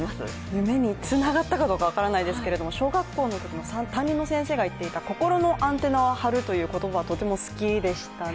夢につながったかどうか分からないですけれども、小学校の時の担任の先生が言った心のアンテナを張るという言葉がとても好きでしたね。